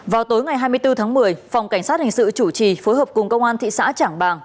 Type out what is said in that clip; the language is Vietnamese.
vào tối ngày hai mươi bốn tháng một mươi phòng cảnh sát hình sự chủ trì phối hợp cùng công an thị xã trảng bàng